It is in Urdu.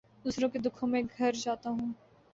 دوسروں کے دکھوں میں گھر جاتا ہوں